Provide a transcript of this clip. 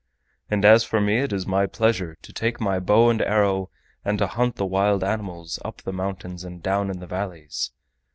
And as for me, it is my pleasure to take my bow and arrow and to hunt the wild animals up the mountains and down in the valleys.